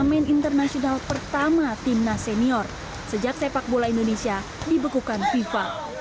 penamen internasional pertama tim nas senior sejak sepak bola indonesia dibekukan fifa